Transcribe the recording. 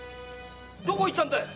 どこ行ったんだい